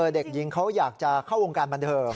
เด็กหญิงเขาอยากจะเข้าวงการบันเทิง